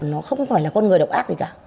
nó không phải là con người độc ác gì cả